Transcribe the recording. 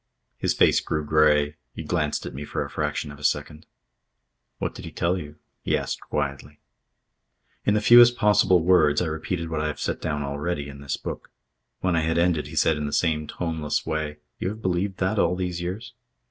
His face grew grey. He glanced at me for a fraction of a second. "What did he tell you?" he asked quietly. In the fewest possible words I repeated what I have set down already in this book. When I had ended, he said in the same toneless way: "You have believed that all these years?"